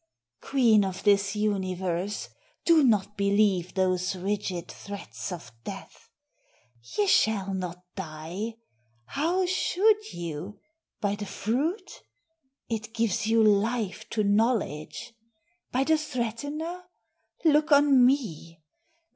Queen of this universe! do not believe Those rigid threats of death: ye shall not die: How should you? by the fruit? it gives you life To knowledge; by the threatener? look on me.